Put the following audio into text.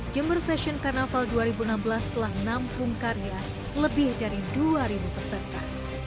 jember fashion carnaval dua ribu enam belas telah menampung karya lebih dari dua peserta